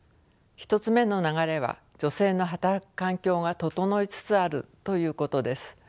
１つ目の流れは女性の働く環境が整いつつあるということです。